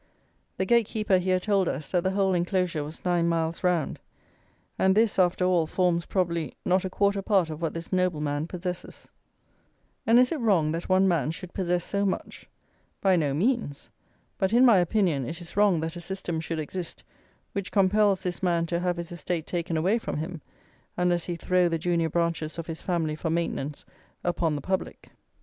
The gate keeper here told us, that the whole enclosure was nine miles round; and this, after all, forms, probably, not a quarter part of what this nobleman possesses. And is it wrong that one man should possess so much? By no means; but in my opinion it is wrong that a system should exist which compels this man to have his estate taken away from him unless he throw the junior branches of his family for maintenance upon the public.